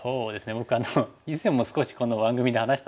僕以前も少しこの番組で話したんですけど。